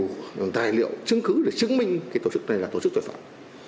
đầy đủ tài liệu chứng cứ để chứng minh cái tổ chức này là tổ chức tội phạm